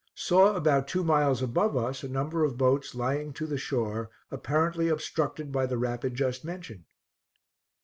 Saw about two miles above us a number of boats lying to the shore, apparently obstructed by the rapid just mentioned.